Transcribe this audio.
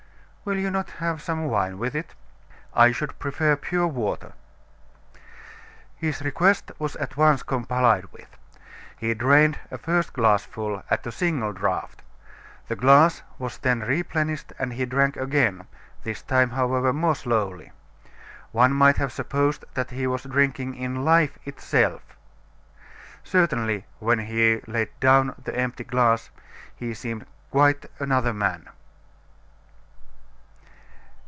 "Will you not have some wine with it?" "I should prefer pure water." His request was at once complied with. He drained a first glassful at a single draft; the glass was then replenished and he drank again, this time, however, more slowly. One might have supposed that he was drinking in life itself. Certainly, when he laid down the empty glass, he seemed quite another man.